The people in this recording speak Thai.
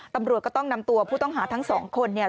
ตำรวจก็ต้องนำตัวผู้ต้องหาทั้งสองคนเนี่ย